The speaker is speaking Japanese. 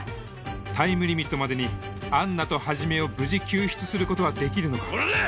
タイムリミットまでにアンナと始を無事救出することはできるのか？